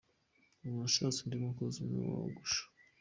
Ubu nashatse undi mukozi umwe wogosha.